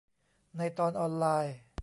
ในตอนออนไลน์